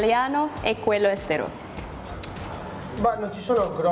tidak ada perbedaan besar